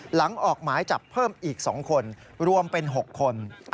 ออกหมายจับเพิ่มอีก๒คนรวมเป็น๖คน